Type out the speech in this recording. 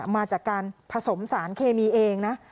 มาจากการผสมสารเคมีเองนะ